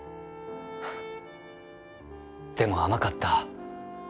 でも甘かった。